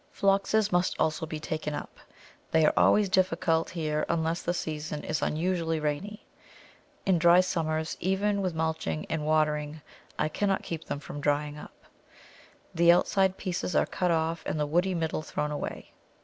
Phloxes must also be taken up. They are always difficult here, unless the season is unusually rainy; in dry summers, even with mulching and watering, I cannot keep them from drying up. The outside pieces are cut off and the woody middle thrown away.